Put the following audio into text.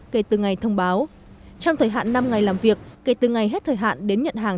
kể từ ngày thông báo trong thời hạn năm ngày làm việc kể từ ngày hết thời hạn đến nhận hàng